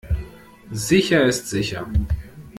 Sicher ist sicher.